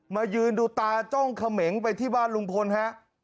ยืนดูตาจ้องเขมงไปที่บ้านลุงพลฮะ